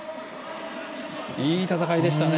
いい戦いでしたね。